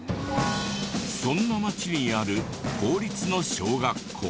そんな町にある公立の小学校。